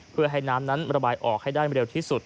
เพื่อให้น้ำนั้นระบายออกให้ได้เร็วที่สุด